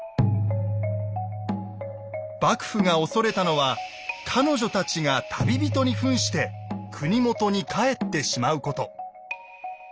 幕府が恐れたのは彼女たちが旅人にふんして国元に帰ってしまうこと。